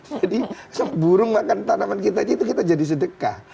jadi seburung makan tanaman kita aja itu kita jadi sedekah